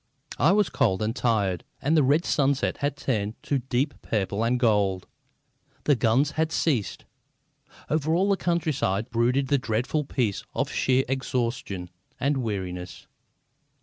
I was cold and tired, and the red sunset had turned to deep purple and gold. The guns had ceased. Over all the countryside brooded the dreadful peace of sheer exhaustion and weariness.